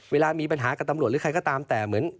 เวลามีปัญหากับตำรวจหรือใครก็ตามแต่เหมือน